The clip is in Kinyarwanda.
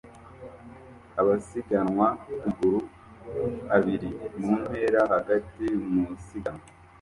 Abasiganwa ku maguru abiri mu ntera hagati mu isiganwa